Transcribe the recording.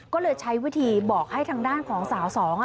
ก็เลยใช้วิธีบอกให้ทางด้านของสาวสอง